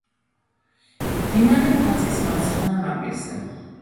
მდინარე ფაწის მარცხენა ნაპირზე.